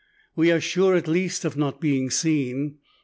We are sure at least of not being seen.